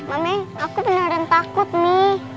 mame aku beneran takut mi